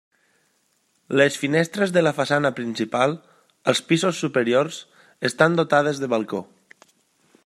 Les finestres de la façana principal, als pisos superiors, estan dotades de balcó.